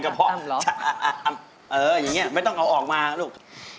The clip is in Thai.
ต้ำเหรอช้ำเอออย่างนี้ไม่ต้องเอาออกมาลูก